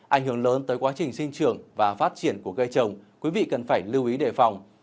ảnh hưởng lớn tới quá trình sinh trường và phát triển của cây trồng quý vị cần phải lưu ý đề phòng